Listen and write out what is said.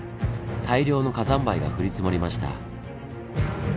大量の火山灰が降り積もりました。